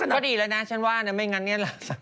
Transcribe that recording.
ก็ดีแล้วนะฉันว่านะไม่งั้นเนี่ยแหละ